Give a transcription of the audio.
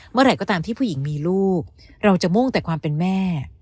เมื่อไหร่ก็ตามที่ผู้หญิงมีลูกเราจะมุ่งแต่ความเป็นแม่